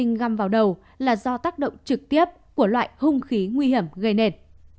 đinh găm vào đầu là do tác động trực tiếp của loại hung khí nguy hiểm gây nền